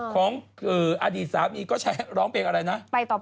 ของอดีตสามีก็ใช้ร้องเพลงอะไรนะ